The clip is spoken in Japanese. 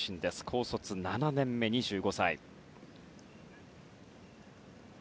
高卒７年目、２５歳。